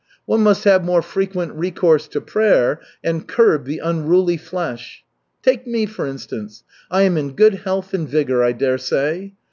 One must have more frequent recourse to prayer, and curb the unruly flesh. Take me, for instance. I am in good health and vigor, I dare say.